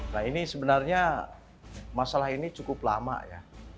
nah ini sebenarnya masalah ini cukup lama ya